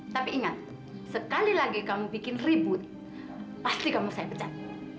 tapi ingat sekali lagi kamu bikin ribut pasti kamu saya pecat